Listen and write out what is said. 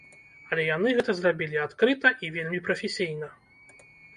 Але яны гэта зрабілі адкрыта і вельмі прафесійна.